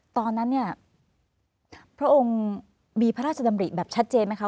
ตอนนั้นเนี่ยพระองค์มีพระราชดำริแบบชัดเจนไหมคะ